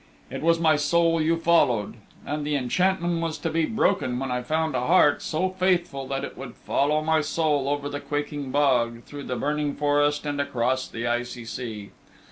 It was my soul you followed. And the enchantment was to be broken when I found a heart so faithful that it would follow my soul over the Quaking Bog, through the Burning Forest and across the Icy Sea.